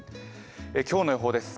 今日の予報です。